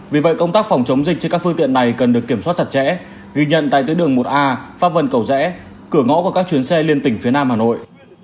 vì vậy công tác phòng chống dịch trên các phương tiện này cần được kiểm soát chặt chẽ ghi nhận tại tuyến đường một a pháp vân cầu rẽ cửa ngõ của các chuyến xe liên tỉnh phía nam hà nội